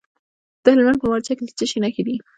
د هلمند په مارجه کې د څه شي نښې دي؟